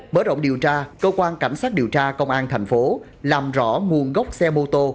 bớt rộng điều tra cơ quan cảnh sát điều tra công an tp hcm làm rõ nguồn gốc xe mô tô